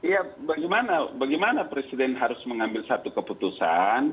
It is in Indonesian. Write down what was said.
ya bagaimana presiden harus mengambil satu keputusan